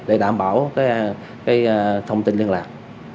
để đảm bảo cái thông tin liên lạc